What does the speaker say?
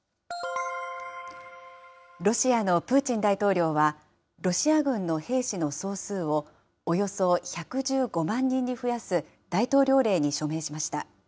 ロシアのプーチン大統領は、ロシア軍の兵士の総数を、およそ１１５万人に増やす、大統領令に署名しました。